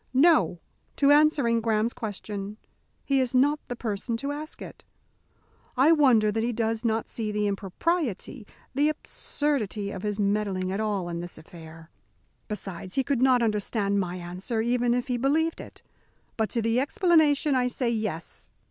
"No! to answering Graham's question. He is not the person to ask it. I wonder that he does not see the impropriety, the absurdity of his meddling at all in this affair. Besides, he could not understand my answer even if he believed it. But to the explanation, I say, Yes!